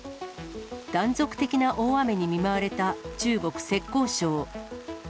断続的な大雨に見舞われた中国・浙江省。